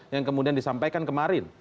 yang kemudian disampaikan kemarin